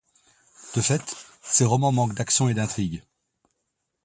De fait, ses romans manquent d’action et d’intrigue.